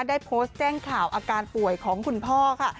ได้โพสต์แจ้งข่าวอาการป่วยของคุณพ่อค่ะ